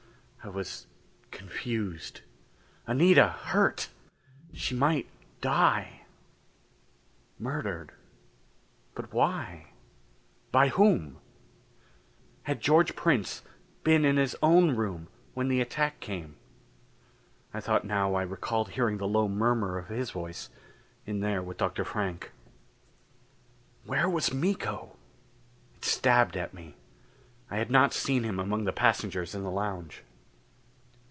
I was confused. Anita hurt! She might die ... murdered.... But why? By whom? Had George Prince been in his own room when the attack came? I thought now I recalled hearing the low murmur of his voice in there with Dr. Frank. Where was Miko? It stabbed at me. I had not seen him among the passengers in the lounge.